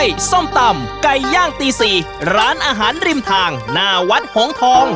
ส้มตำไก่ย่างตี๔ร้านอาหารริมทางหน้าวัดหงทอง